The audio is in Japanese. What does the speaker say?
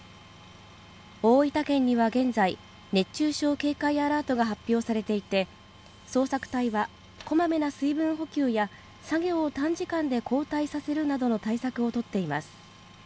大分県には現在、熱中症警戒アラートが発表されていて、捜索隊はこまめな水分補給や作業を短時間で交代させるなどの対策を取っています。